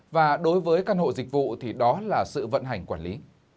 và đối với căn hộ dịch vụ thì đó là sự vận hành quản lý